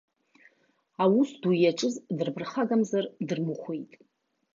Аус ду иаҿыз дырԥырхагамзар дырмыхәеит.